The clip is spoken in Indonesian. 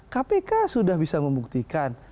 kpk sudah bisa membuktikan